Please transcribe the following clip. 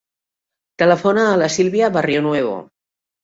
Telefona a la Sílvia Barrionuevo.